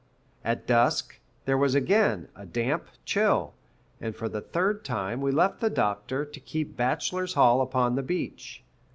At dusk, there was again a damp chill, and for the third time we left the Doctor to keep bachelor's hall upon the beach.